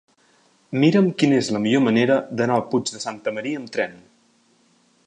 Mira'm quina és la millor manera d'anar al Puig de Santa Maria amb tren.